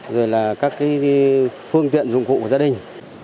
rồi là các phương tiện dụng cụ của gia đình